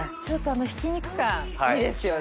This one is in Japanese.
あのひき肉感いいですよね。